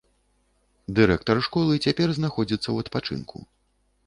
Дырэктар школы цяпер знаходзіцца ў адпачынку.